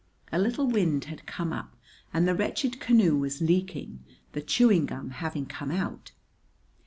A little wind had come up, and the wretched canoe was leaking, the chewing gum having come out.